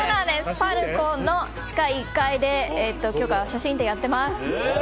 パルコの地下１階で今日から写真展やってます。